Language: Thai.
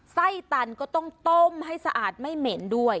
ไส้ตันก็ต้องต้มให้สะอาดไม่เหม็นด้วย